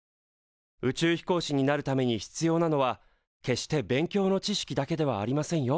宇宙飛行士になるために必要なのは決して勉強の知識だけではありませんよ。